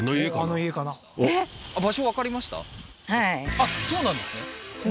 あっそうなんですね